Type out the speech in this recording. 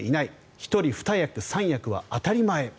１人２役、３役は当たり前。